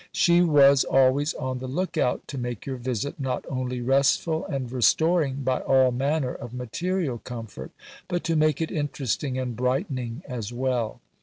She was always on the look out to make your visit not only restful and restoring by all manner of material comfort, but to make it interesting and brightening as well.